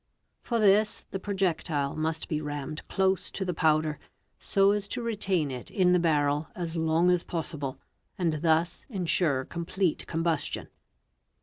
or this the projectile must be rammed close to the powder so as to retain it in the barrel as long as possible and thus ensure complete combustion.